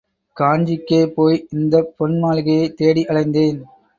காஞ்சிக்கே போய் இந்தப் பொன் மாளிகையைத் தேடி அலைந்தேன்.